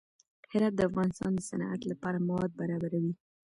هرات د افغانستان د صنعت لپاره مواد برابروي.